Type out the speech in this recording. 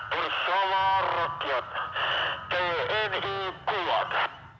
bersama rakyat tni kuat